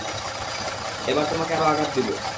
এবার তোমাকে আরো আঘাত দিবো।